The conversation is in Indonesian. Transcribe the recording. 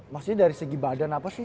maksudnya dari segi badan apa sih